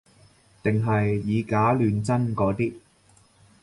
定係以假亂真嗰啲